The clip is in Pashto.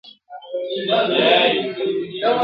بوزه چي هم پرېوځي ځای په پښو پاکوي !.